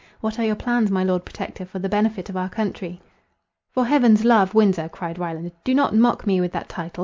What are your plans, my Lord Protector, for the benefit of our country?" "For heaven's love! Windsor," cried Ryland, "do not mock me with that title.